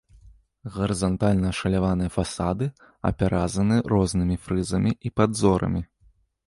Гарызантальна ашаляваныя фасады апяразаны разнымі фрызамі і падзорамі.